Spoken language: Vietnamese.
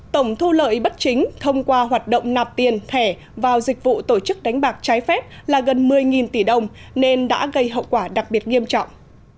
tổng thu lợi bất chính thông qua hoạt động nạp tiền thẻ vào dịch vụ tổ chức đánh bạc trái phép là gần một mươi tỷ đồng nên đã gây hậu quả đặc biệt nghiêm trọng